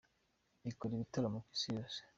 ikora ibitaramo ku isi yose.